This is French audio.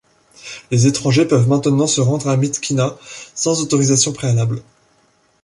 Les étrangers peuvent maintenant se rendre à Myitkyina sans autorisation préalable.